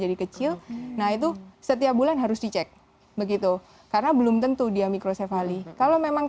jadi kecil nah itu setiap bulan harus dicek begitu karena belum tentu dia mikrosevali kalau memang